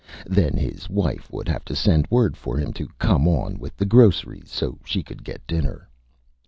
Then his Wife would have to send Word for him to come on with the Groceries so she could get Dinner.